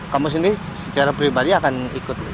kamu sendiri secara pribadi akan ikut